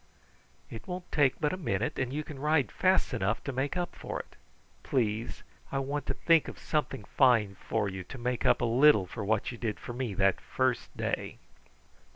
"It won't take but a minute, and you can ride fast enough to make up for it. Please. I want to think of something fine for you, to make up a little for what you did for me that first day."